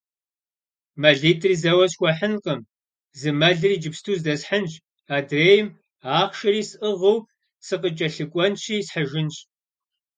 МэлитӀри зэуэ схуэхьынкъым, зы мэлыр иджыпсту здэсхьынщ, адрейм, ахъшэри сӀыгъыу, сыкъыкӀэлъыкӀуэнщи схьыжынщ.